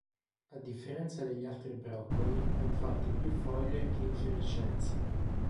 A differenza degli altri broccoli, ha infatti più foglie che infiorescenza.